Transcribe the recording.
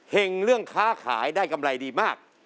เรื่องค้าขายได้กำไรดีมาก